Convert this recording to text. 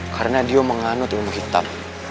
karena dia menganut ilmu hitam